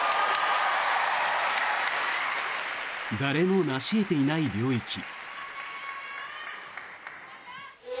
誰も成し得ていない領域。